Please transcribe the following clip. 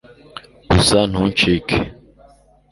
gusa ntucike